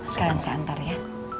sekalian saya antar ya